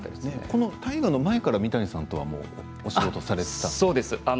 この大河の前から三谷さんとお仕事されていたんですか。